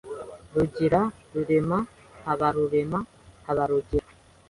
“Rugira, Rurema, Habarurema, Habarugira”;